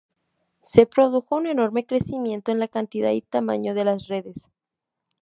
Se produjo un enorme crecimiento en la cantidad y tamaño de las redes.